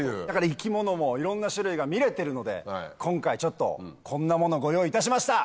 生き物もいろんな種類が見れてるので今回ちょっとこんなものをご用意いたしました。